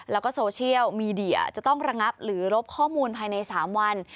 แล้วก็โซเชียลมีเดียจะต้องระงับหรือรบข้อมูลภายใน๓วัน